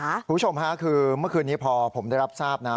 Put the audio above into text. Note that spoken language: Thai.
คุณผู้ชมค่ะคือเมื่อคืนนี้พอผมได้รับทราบนะ